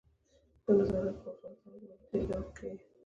دا نظارت په وزارتونو او دولتي ادارو کې کیږي.